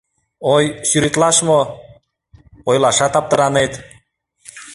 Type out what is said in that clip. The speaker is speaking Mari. Ой, сӱретлаш мо, ойлашат аптыранет.